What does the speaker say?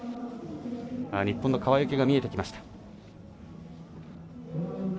日本の川除が見えました。